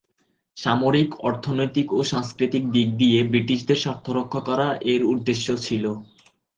সামরিক, অর্থনৈতিক ও সাংস্কৃতিক দিক দিয়ে ব্রিটিশদের স্বার্থ রক্ষা করা এর উদ্দেশ্য ছিল।